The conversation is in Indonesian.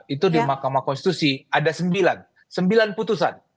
itu di mahkamah konstitusi ada sembilan putusan